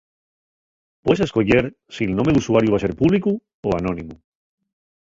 Pues escoyer si'l nome d'usuariu va ser públicu o anónimu.